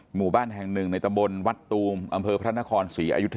หมู่บ้านแห่งหนึ่งในตำบลวัดตูมอำเภอพระราชนิดหนึ่ง